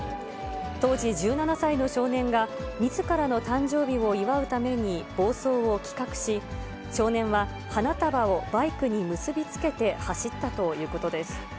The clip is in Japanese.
当時１７歳の少年が、みずからの誕生日を祝うために暴走を企画し、少年は花束をバイクに結び付けて走ったということです。